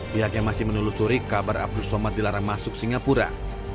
pihaknya masih menelusuri kabar abdul somad dilarang masuk singapura